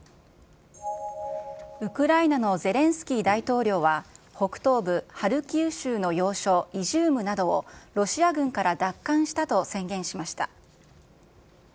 ウクライナのゼレンスキー大統領は、北東部ハルキウ州の要衝、イジュームなどをロシア軍から奪還したと宣言しました。